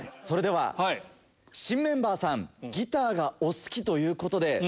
それでは新メンバーさんギターがお好きということで。